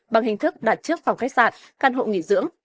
bằng hình thức đặt trước phòng khách sạn căn hộ nghỉ dưỡng